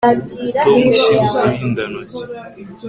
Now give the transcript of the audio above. Tom shyira uturindantoki